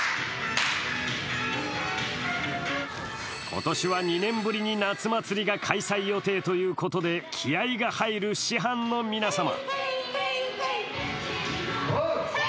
今年は２年ぶりに夏祭りが開催予定ということで気合いが入る師範の皆様。